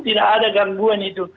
tidak ada gangguan itu